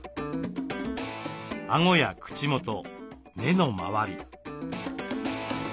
あごや口元目の周り。